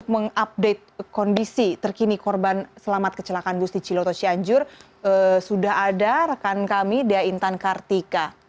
mengupdate kondisi terkini korban selamat kecelakaan bus di ciloto cianjur sudah ada rekan kami dea intan kartika